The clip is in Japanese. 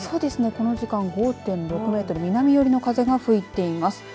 この時間５．６メートル南寄りの風が吹いています。